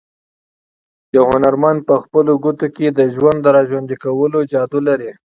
یو هنرمند په خپلو ګوتو کې د ژوند د راژوندي کولو جادو لري.